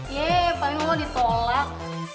ye paling malu ditolak